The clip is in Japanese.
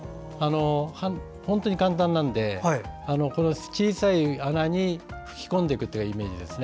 本当に簡単なので小さい穴に吹き込んでいくイメージです。